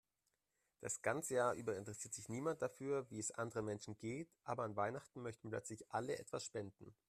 Das ganze Jahr über interessiert sich niemand dafür, wie es anderen Menschen geht, aber an Weihnachten möchten plötzlich alle etwas spenden.